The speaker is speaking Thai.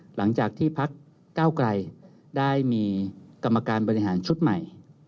หลังจากที่พักเก้าไกลได้มีกรรมการบริหารชุดใหม่